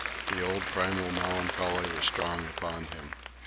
The old primal melancholy was strong upon him.